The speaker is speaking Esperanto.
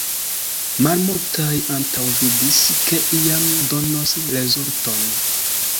Malmultaj antaŭvidis, ke iam donos rezulton.